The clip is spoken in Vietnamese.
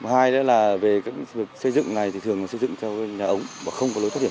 hai là về các hội xây dựng này thường xây dựng theo nhà ống và không có lối phát hiện